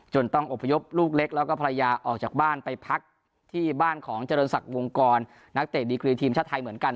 ต้องอบพยพลูกเล็กแล้วก็ภรรยาออกจากบ้านไปพักที่บ้านของเจริญศักดิ์วงกรนักเตะดีกรีทีมชาติไทยเหมือนกัน